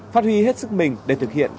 phát huy hết sức mình để thực hiện